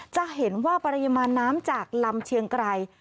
จะเห็นว่าปริมาณน้ำจากลำเชียงไกร